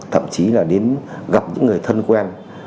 thậm chí là đến gặp những người thân quen